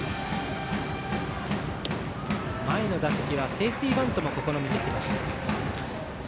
前の打席はセーフティーバントも試みてきました。